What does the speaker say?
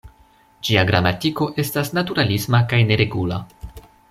Ĝia gramatiko estas naturalisma kaj neregula.